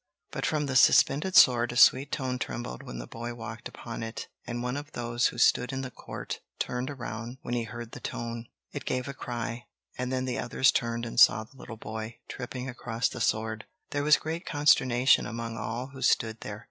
But from the suspended sword a sweet tone trembled when the boy walked upon it, and one of those who stood in the court turned around when he heard the tone. He gave a cry, and then the others turned and saw the little boy tripping across the sword. There was great consternation among all who stood there.